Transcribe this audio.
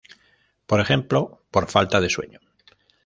Por ejemplo: por falta de sueño.